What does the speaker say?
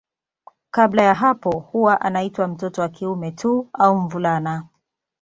Kabla ya hapo huwa anaitwa mtoto wa kiume tu au mvulana.